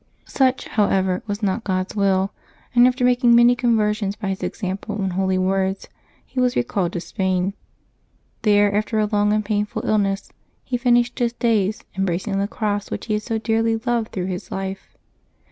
Such, however, was not God's will, and after making many conversions by his example and holy words, he was recalled to Spain. There, after a long and painful illness, he finished his days, embracing the cross, which he had so dearly loved through his life.